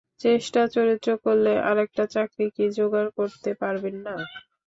চেষ্টাচরিত্র করলে আরেকটা চাকরি কি জোগাড় করতে পারবেন না?